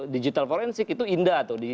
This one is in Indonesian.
digital forensik itu indah